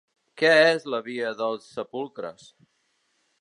Què és la via dels Sepulcres?